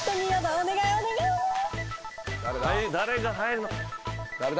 誰が入るのか。